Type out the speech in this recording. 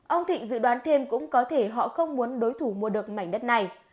ông thịnh dự đoán thêm cũng có thể họ không muốn đối thủ mua được mảnh đất này